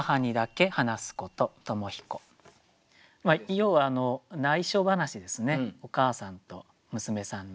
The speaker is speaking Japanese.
要はないしょ話ですねお母さんと娘さんの。